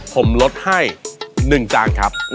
ผมลดให้๑จานครับ